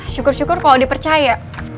syukur syukur kalo dia percaya